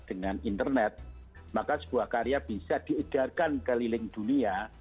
dengan internet maka sebuah karya bisa diedarkan keliling dunia